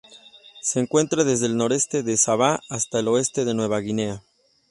Se encuentra desde el noreste de Sabah hasta el oeste de Nueva Guinea.